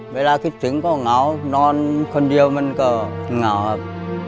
เวลาคิดถึงก็เหงานอนคนเดียวมันก็เหงาครับ